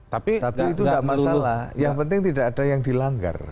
tapi itu tidak masalah yang penting tidak ada yang dilanggar